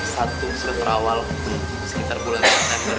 satu sudah terawal sekitar bulan september